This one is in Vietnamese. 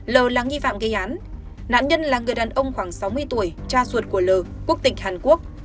lờ là nghi phạm gây án nạn nhân là người đàn ông khoảng sáu mươi tuổi cha ruột của l quốc tịch hàn quốc